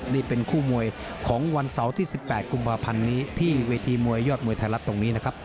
นี่เป็นคู่มวยของวันเสาร์ที่๑๘กุมภาพันธ์นี้ที่เวทีมวยยอดมวยไทยรัฐตรงนี้นะครับ